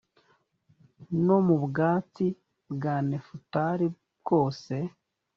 no mu bwatsi bwa nefutali bwose,